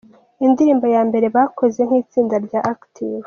Indirimbo ya mbere bakoze nk’itsinda rya Active.